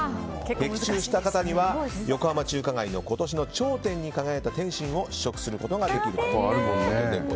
的中した方には横浜中華街の今年の頂点に輝いた点心を試食することができます。